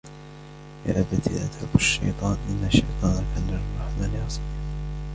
يا أبت لا تعبد الشيطان إن الشيطان كان للرحمن عصيا